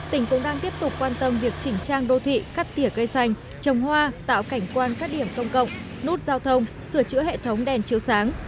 tỉnh cũng đang tiếp tục quan tâm việc chỉnh trang đô thị cắt tỉa cây xanh trồng hoa tạo cảnh quan các điểm công cộng nút giao thông sửa chữa hệ thống đèn chiếu sáng